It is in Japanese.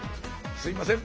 すいません。